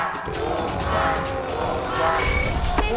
ถูกกว่า